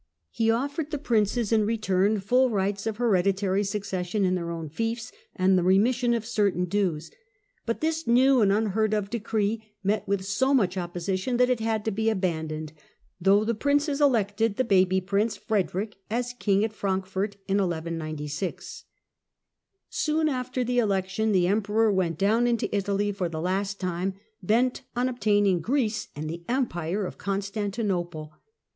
He offered the princes in return full rights of hereditary succession in their own fiefs, and the remission of certain dues. But this "new and unheard of decree" met with so much opposition that it had to be abandoned, though the princes elected the baby prince Frederick as king at Frankfurt in 1196. Soon after the election the Emperor Third went down into Italy for the last time, " bent on obtain pedition of ing Greece and the Empire of Constantinople."